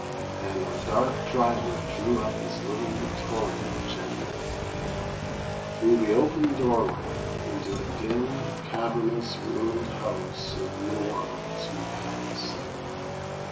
And our dark driver drew up his little victoria gently. Through the open doorway, into a dim, cavernous, ruined house of New Orleans we passed.